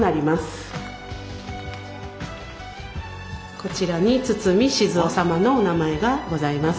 こちらに堤雄さまのお名前がございますす。